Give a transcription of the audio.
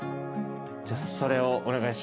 じゃあそれをお願いします。